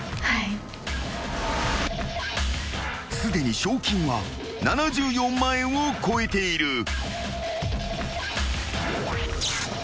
［すでに賞金は７４万円を超えている］